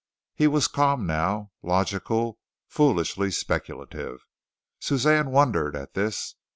He was calm now, logical, foolishly speculative. Suzanne wondered at this.